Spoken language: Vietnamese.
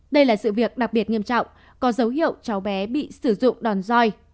đây là sự việc đặc biệt nghiêm trọng có dấu hiệu cháu bé bị sử dụng đòn roi